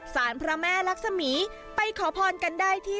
สารพระแม่รักษมีไปขอพรกันได้ที่